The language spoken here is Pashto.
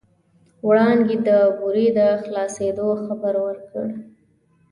وړانګې د بورې د خلاصېدو خبر ورکړ.